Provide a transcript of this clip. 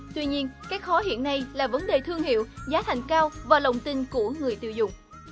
tuy nhiên cái khó hiện nay là vấn đề thương hiệu giá thành cao và lòng tin của người tiêu dùng